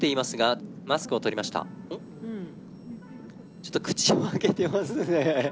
ちょっと口を開けてますね。